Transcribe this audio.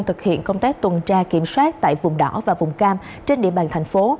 thực hiện công tác tuần tra kiểm soát tại vùng đỏ và vùng cam trên địa bàn thành phố